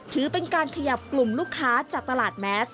ถือเป็นการขยับกลุ่มลูกค้าจากตลาดแมส